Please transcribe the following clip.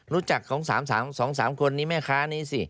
รู้จักของสามสามสองสามคนนี้แม่ค้านี้สิ